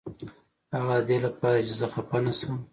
هغه ددې لپاره چې زه خفه نشم.